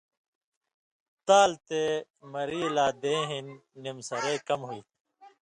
تال تے ماریۡ لا دیں ہِن نِم سرئ کم ہوتھی۔